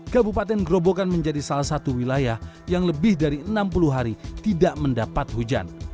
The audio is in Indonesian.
kabupaten gerobokan menjadi salah satu wilayah yang lebih dari enam puluh hari tidak mendapat hujan